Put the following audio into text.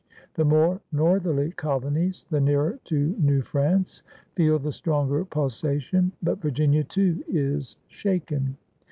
The more northerly colonies, the nearer to New France, feel the stronger pulsation, but Virginia, too, is shaken.